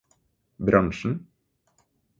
bransjen